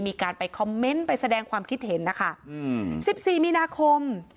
มีการไปคอมเมนต์ไปแสดงความคิดเห็นนะคะอืมสิบสี่มีนาคม